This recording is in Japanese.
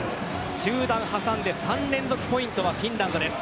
中断挟んで３連続ポイントはフィンランドです。